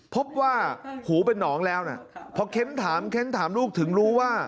พบว่าหูเป็นนองแล้วพอเคนต่อถามลูกถึงรู้ว่า